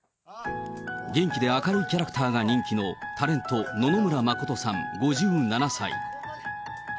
元気で明るいキャラクターが人気のタレント、野々村真さん５７歳。